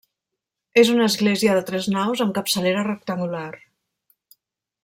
És una església de tres naus amb capçalera rectangular.